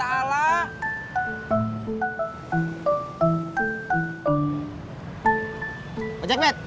kak jack bet